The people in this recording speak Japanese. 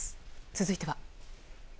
続いては。